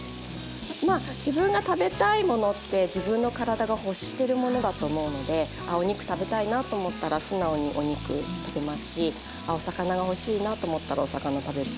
まあ自分が食べたいものって自分の体が欲してるものだと思うのであお肉食べたいなと思ったら素直にお肉食べますしお魚が欲しいなと思ったらお魚食べるし。